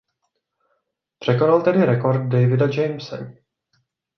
Překonal tedy rekord Davida Jamese.